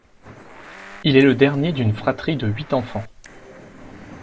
Il est le dernier d'une fratrie de huit enfants.